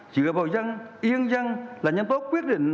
dựa vào dân yên dân là nhân tố quyết định